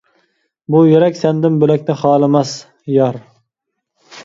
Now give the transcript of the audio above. بۇ يۈرەك سەندىن بۆلەكنى خالىماس، يار!